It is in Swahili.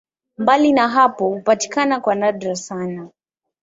Mbali na hapo hupatikana kwa nadra sana.